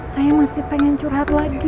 saya masih pengen curhat lagi